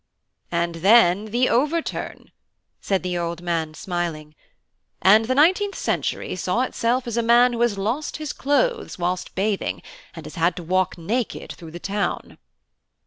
"And then the overturn," said the old man, smiling, "and the nineteenth century saw itself as a man who has lost his clothes whilst bathing, and has to walk naked through the town."